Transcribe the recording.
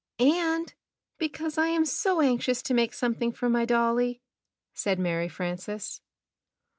"And because I am so anxious to make something for my dolly," said Mary Frances.